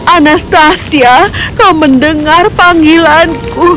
anastasia kau mendengar panggilanku